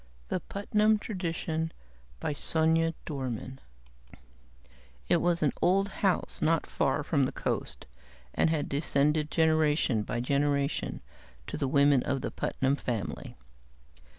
_ the putnam tradition By S. DORMAN Illustrated by SCHELLING It was an old house not far from the coast, and had descended generation by generation to the women of the Putnam family.